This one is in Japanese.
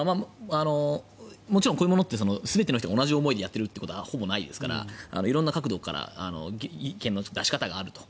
もちろんこういうものって全ての人が同じ思いでやっているってことはほぼないですから色んな角度から意見の出し方があると。